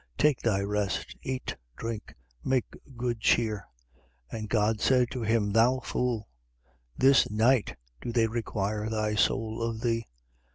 Take thy rest: eat, drink, make good cheer. 12:20. But God said to him: Thou fool, this night do they require thy soul of thee.